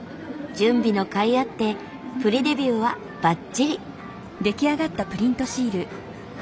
準備のかいあってプリデビューはバッチリ。